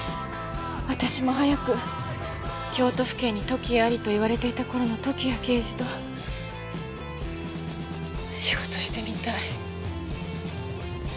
私も早く「京都府警に時矢あり」と言われていた頃の時矢刑事と仕事してみたい。